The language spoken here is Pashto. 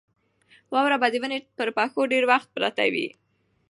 واوره به د ونې پر پښو ډېر وخت پرته وي.